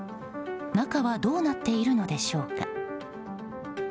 中はどうなっているのでしょうか。